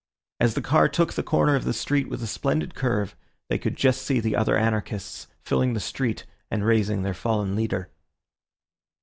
As the car took the corner of the street with a splendid curve, they could just see the other anarchists filling the street and raising their fallen leader.